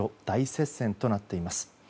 大接戦となっています。